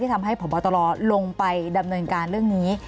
ทำให้พบตรลงไปดำเนินการเรื่องนี้